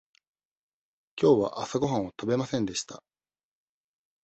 きょうは朝ごはんを食べませんでした。